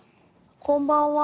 こんばんは。